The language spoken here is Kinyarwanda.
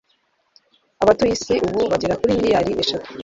abatuye isi ubu bagera kuri miliyari eshatu